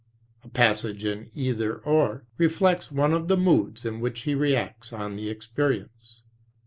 A pas sage in Either — Or reflects one of the moods in which he reacts on the experience.